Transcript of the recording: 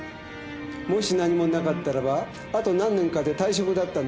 もし何もなかったらばあと何年かで退職だったんです。